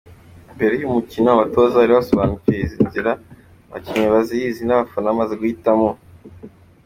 Mbere y’umukino, abatoza bari basobanukiwe izi nzira, abakinnyi bazizi n’abafana bamaze guhitamo.